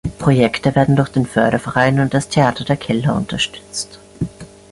Projekte werden durch den Förderverein und das Theater der Keller unterstützt.